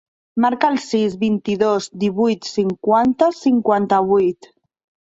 Marca el sis, vint-i-dos, divuit, cinquanta, cinquanta-vuit.